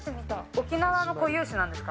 沖縄の固有種なんですか。